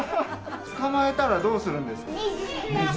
捕まえたらどうするんですか？